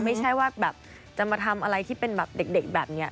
ไม่ใช่ว่าแบบจะมาทำอะไรที่เป็นแบบเด็กแบบนี้